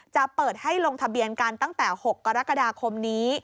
จะเปิดให้ลงทะเบียนกันตั้งแต่๖กรกฎาคมนี้